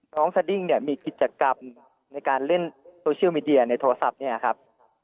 สดิ้งเนี่ยมีกิจกรรมในการเล่นโซเชียลมีเดียในโทรศัพท์เนี่ยครับ